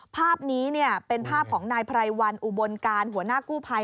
ภาพนี้เป็นภาพของนายไพรวันอุบลการหัวหน้ากู้ภัย